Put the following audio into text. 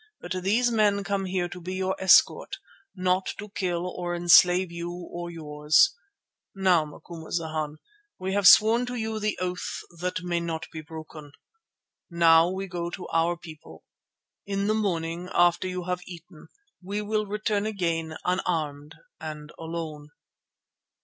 But these men come here to be your escort, not to kill or enslave you or yours. And, Macumazana, we have sworn to you the oath that may not be broken. Now we go to our people. In the morning, after you have eaten, we will return again unarmed and alone."